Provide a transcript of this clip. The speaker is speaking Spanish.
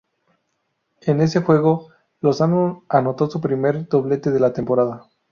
En ese juego, Lozano anotó su primer doblete de la temporada.